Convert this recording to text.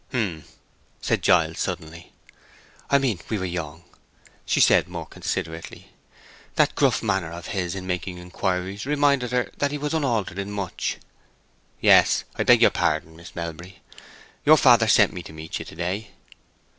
"H'm!" said Giles, suddenly. "I mean we were young," said she, more considerately. That gruff manner of his in making inquiries reminded her that he was unaltered in much. "Yes....I beg your pardon, Miss Melbury; your father sent me to meet you to day."